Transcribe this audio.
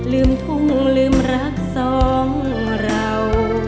ลืมทุ่งลืมรักสองเรา